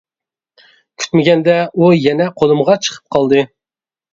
كۈتمىگەندە ئۇ يەنە قولۇمغا چىقىپ قالدى.